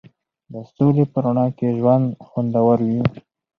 د سولې په رڼا کې ژوند خوندور وي.